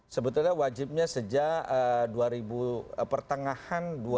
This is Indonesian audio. sebetulnya wajibnya sejak dua ribu pertengahan dua ribu dua ribu sembilan belas